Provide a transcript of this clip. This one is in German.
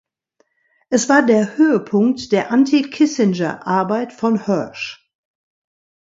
Es war der Höhepunkt der Anti-Kissinger-Arbeit von Hersh.